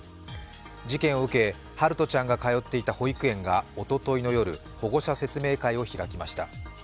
事件を受け陽翔ちゃんが通っていた保育園がおとといの夜、保護者説明会を開きました。